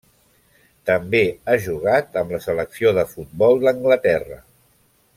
També ha jugat amb la selecció de futbol d'Anglaterra.